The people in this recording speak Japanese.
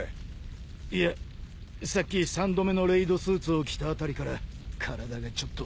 いやさっき３度目のレイドスーツを着たあたりから体がちょっと。